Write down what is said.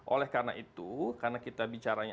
oleh karena itu karena kita bicaranya